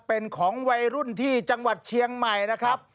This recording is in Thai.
เป็นของวัยรุ่นที่จังหวัดเชียงใหม่นะครับ